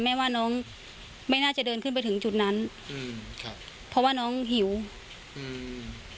แม่ว่าน้องไม่น่าจะเดินขึ้นไปถึงจุดนั้นอืมครับเพราะว่าน้องหิวอืม